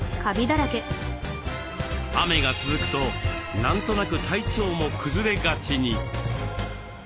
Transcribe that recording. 雨が続くと何となく体調も崩れがちに。